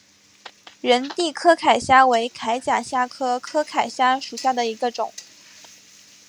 仁娣柯铠虾为铠甲虾科柯铠虾属下的一个种。